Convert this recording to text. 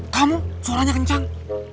kamu suaranya kencang